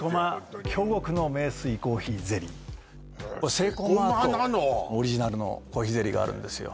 セイコーマートオリジナルのコーヒーゼリーがあるんですよ